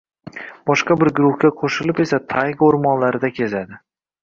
boshqa bir guruhga qoʻshilib esa tayga oʻrmonlarida kezadi